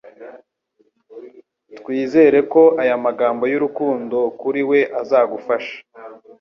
Twizere ko aya magambo y'urukundo kuri we azagufasha .